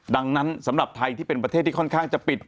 ดังนั้นสำหรับไทยที่เป็นประเทศที่ค่อนข้างจะปิด